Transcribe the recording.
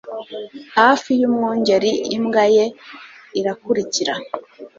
Hafi yumwungeri imbwa ye irakurikira